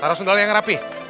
taruh sundal yang rapi